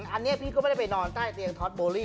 อันนี้พี่ก็ไม่ได้ไปนอนใต้เตียงท็อตโบรี่